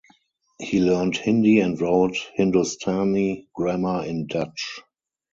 He learned Hindi and wrote Hindustani grammar in Dutch.